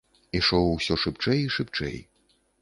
Ішоў усё шыбчэй і шыбчэй.